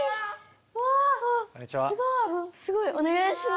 すごい。おねがいします。